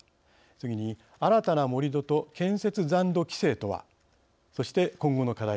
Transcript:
次に新たな盛り土と建設残土規制とはそして、今後の課題